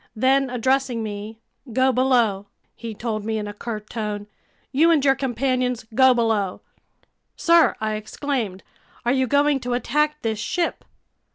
Then, addressing me: "Go below!" he told me in a curt tone. "You and your companions, go below!" "Sir," I exclaimed, "are you going to attack this ship?"